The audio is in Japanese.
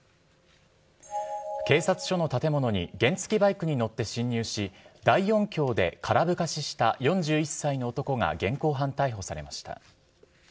警察署の建物に原付きバイクに乗って侵入し、大音響で空ぶかしした４１歳の男が現行犯逮捕されました。